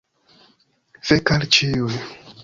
Fek al ĉiuj.